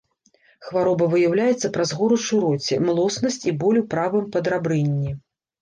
Хвароба выяўляецца праз горыч у роце, млоснасць і боль у правым падрабрынні.